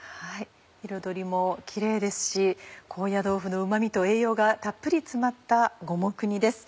彩りもキレイですし高野豆腐のうま味と栄養がたっぷり詰まった五目煮です。